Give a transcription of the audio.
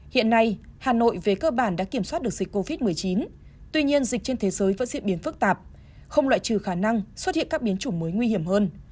hiện nay hà nội về cơ bản đã kiểm soát được dịch covid một mươi chín tuy nhiên dịch trên thế giới vẫn diễn biến phức tạp không loại trừ khả năng xuất hiện các biến chủng mới nguy hiểm hơn